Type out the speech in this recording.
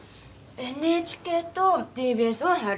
ＮＨＫとＴＢＳは入る。